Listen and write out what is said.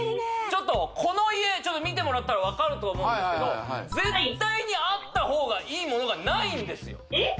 ちょっとこの家見てもらったら分かると思うんですけど絶対にあった方がいいものがないんですよえっ？